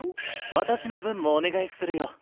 私の分もお願いするよ。